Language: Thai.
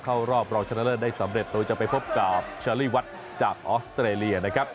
เข้ารอบรองชนะเลิศได้สำเร็จโดยจะไปพบกับเชอรี่วัดจากออสเตรเลียนะครับ